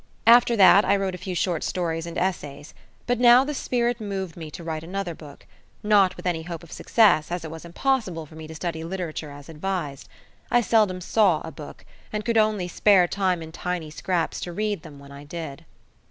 After that I wrote a few short stories and essays; but now the spirit moved me to write another book not with any hope of success, as it was impossible for me to study literature as advised. I seldom saw a book, and could only spare time in tiny scraps to read them when I did.